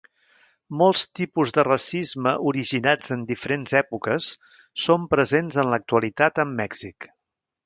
Molts tipus de racisme originats en diferents èpoques són presents en l'actualitat en Mèxic.